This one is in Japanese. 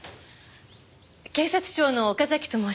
警察庁の岡崎と申します。